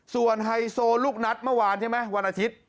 ส่วนไฮโซลูกนัดเมื่อวานใช่ไหมวันอาทิตย์